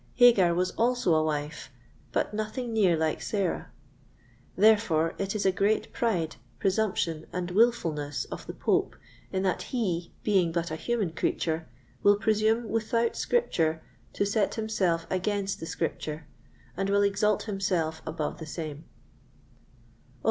Hagar was also a wife, but nothing near like Sarah; therefore it is a great pride, presumption, and wilfulness of the Pope, in that he, being but a human creature, will presume, without Scripture, to set himself against the Scripture, and will exalt himself above the same.